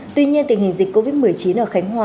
tuy nhiên tình hình dịch covid một mươi chín ở khánh hòa